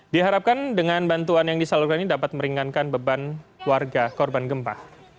diharapkan dengan bantuan yang disalurkan ini dapat meringankan beban warga korban gempa